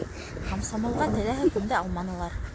— Комсомолға теләһә кемде алманылар.